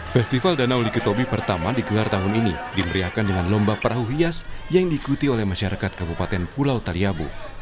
festival danau likitobi pertama digelar tahun ini diberiakan dengan lomba perahu hias yang diikuti oleh masyarakat kabupaten pulau taliabu